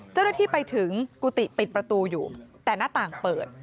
เจ้าหน้าที่ไปถึงกุฏิปิดประตูอยู่แต่หน้าต่างเปิด